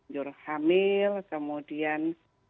yur hamil kemudian